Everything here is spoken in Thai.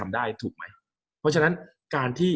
กับการสตรีมเมอร์หรือการทำอะไรอย่างเงี้ย